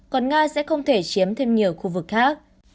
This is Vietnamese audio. còn nga sẽ không thể chiếm thêm nhiều khu vực khác